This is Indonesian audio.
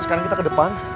sekarang kita ke depan